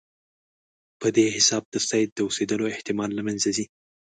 په دې حساب د سید د اوسېدلو احتمال له منځه ځي.